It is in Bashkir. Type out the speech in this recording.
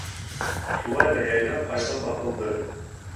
Шулай ҙа яйлап ҡайғым баҫылды.